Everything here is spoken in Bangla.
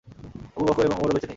আবু বকর এবং ওমরও বেঁচে নেই।